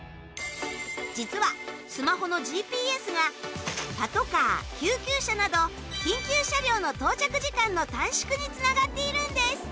実はスマホのＧＰＳがパトカー救急車など緊急車両の到着時間の短縮につながっているんです。